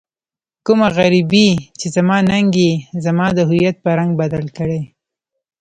کومه غريبي چې زما ننګ يې زما د هويت په رنګ بدل کړی.